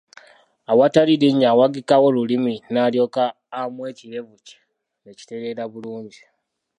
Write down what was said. Awatali linnyo awagikawo lulimi nalyoka amwa ekirevu kye ne kitereera bulungi.